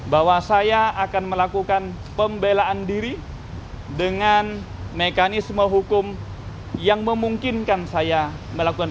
bahwa saya akan melakukan pembelaan diri dengan mekanisme hukum yang memungkinkan saya melakukan